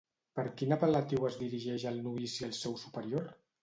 Per quin apel·latiu es dirigeix el novici al seu superior?